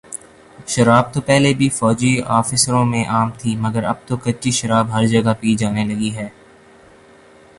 شراب تو پہلے بھی فوجی آفیسروں میں عام تھی مگر اب تو کچی شراب ہر جگہ پی جانے لگی ہے